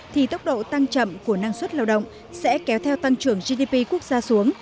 thì tốc độ tăng chậm của năng suất lao động sẽ kéo theo tăng trưởng gdp quốc gia xuống